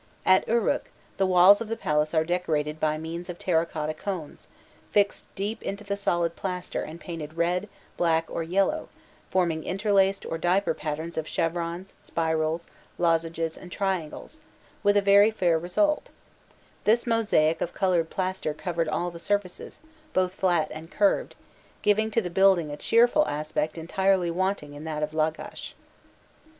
At Uruk, the walls of the palace are decorated by means of terra cotta cones, fixed deep into the solid plaster and painted red, black, or yellow, forming interlaced or diaper patterns of chevrons, spirals, lozenges, and triangles, with a very fair result: this mosaic of coloured plaster covered all the surfaces, both flat and curved, giving to the building a cheerful aspect entirely wanting in that of Lagash.